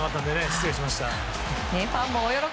失礼しました。